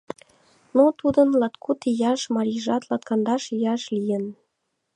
Но тудын, латкуд ияшын, марийжат латкандаш ияш лийын.